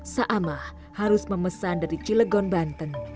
sa'amah harus memesan dari cilegon banten